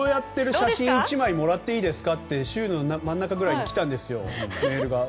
何かこうやってる写真１枚もらっていいですかって週の真ん中ぐらいにメールで来たんですよ。